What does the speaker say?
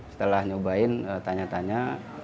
setelah nyobain tanya tanya